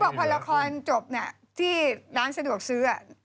เขาบอกพอละครจบเนี่ยที่ร้านสะดวกซื้อ